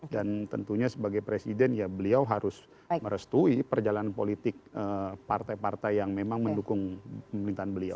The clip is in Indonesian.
dan tentunya sebagai presiden ya beliau harus merestui perjalanan politik partai partai yang memang mendukung pemerintahan beliau